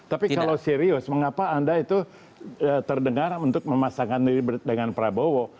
tapi kalau serius mengapa anda itu terdengar untuk memasangkan diri dengan prabowo